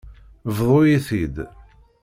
Bḍu-yi-t-id.